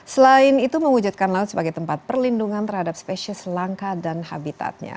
selain itu mewujudkan laut sebagai tempat perlindungan terhadap spesies langka dan habitatnya